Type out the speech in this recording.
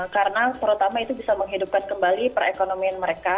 karena terutama itu bisa menghidupkan kembali perekonomian mereka